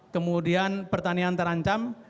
kemudian pertanian terancam